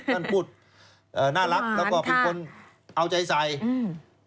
ท่านพูดเอ่อน่ารักแล้วก็เป็นคนเอาใจใส่อืม